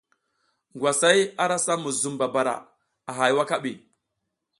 Ngwasay ara sam muzum babara a hay wakaɓi.